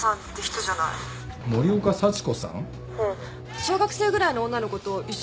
小学生ぐらいの女の子と一緒に写ってない？